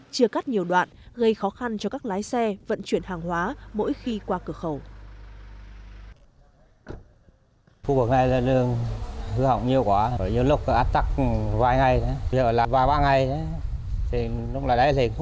chia cắt nhiều đoạn gây khó khăn cho các lái xe vận chuyển hàng hóa mỗi khi qua cửa khẩu